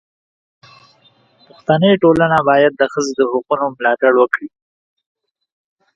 پښتني ټولنه باید د ښځو د حقونو ملاتړ وکړي.